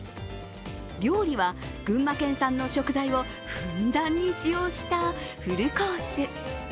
料理は群馬県産の食材をふんだんに使用したフルコース。